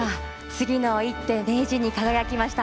次の一手名人に輝きました。